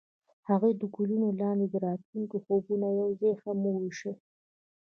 هغوی د ګلونه لاندې د راتلونکي خوبونه یوځای هم وویشل.